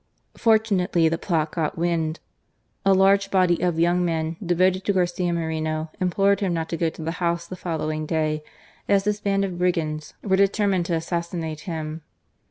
Fortunately the plot got wind. A large body of young men, devoted to Garcia Moreno, implored him not to go to the House the following day as this band of brigands were determined to assassinate him.